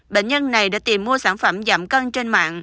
bệnh nhân này đã tìm mua sản phẩm giảm cân trên mạng